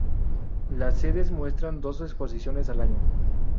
Las sedes muestran dos exposiciones al año.